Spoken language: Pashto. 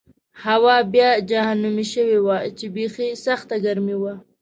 هوا بیا جهنمي شوې وه چې بېخي سخته ګرمي وه.